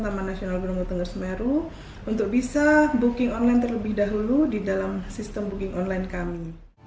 taman nasional bromo tengger semeru untuk bisa booking online terlebih dahulu di dalam sistem booking online kami